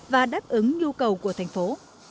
và đáp ứng nhu cầu của thành phố